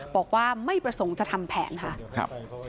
บอกว่าไม่ประสงค์จะทำแผนค่ะ